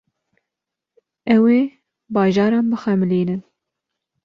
Ew ê bajaran bixemilînin.